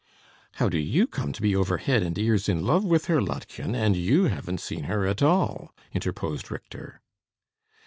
"How do you come to be over head and ears in love with her, Lottchen, and you haven't seen her at all?" interposed Richter.